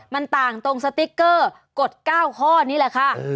มันต่างตรงสติ๊กเกอร์กด๙ข้อนี้แหละค่ะ